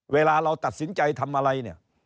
เวลาเราตัดสินใจทำอะไรเนี่ย